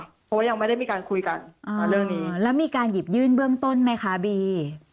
เพราะว่ายังไม่ได้มีการคุยกันอ่าเรื่องนี้แล้วมีการหยิบยื่นเบื้องต้นไหมคะบี